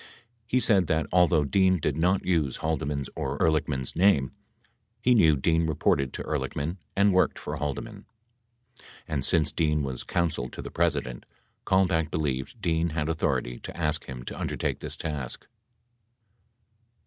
He said that, although Dean did not use Haldeman's or Ehrlichman's name, he knew Dean reported to Ehrlichman and worked for Haldeman. 70 And, since Dean was Counsel to the President, Kalmbach believed Dean had authority to ask him to undertake this task.